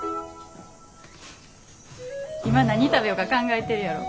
今何食べようか考えてるやろ。